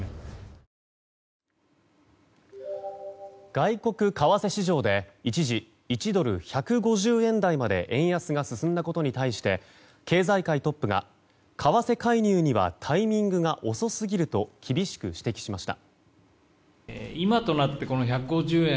外国為替市場で一時１ドル＝１５０円台まで円安が進んだことに対して経済界トップが為替介入にはタイミングが遅すぎると厳しく指摘しました。